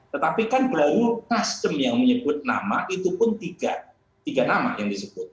tetapi kan berlalu custom yang menyebut nama itu pun tiga tiga nama yang disebut